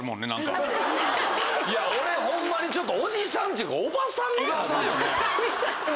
俺ホンマにちょっとおじさんっていうかおばさんみたいになってる。